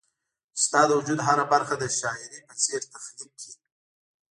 چي ستا د وجود هره برخه د شاعري په څير تخليق کړي